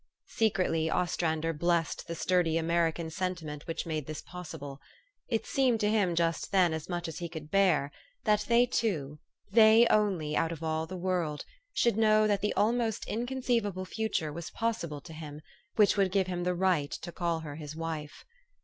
Secretly, Ostrander blessed the sturdy American sentiment which made this possible. It seemed to him just then as much as he could bear, that they two, they only out of all the world, should know that the almost inconceivable future was possible to him, which would give him the right to call her his wife.